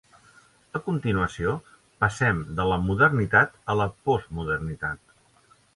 A continuació, passem de la modernitat a la postmodernitat.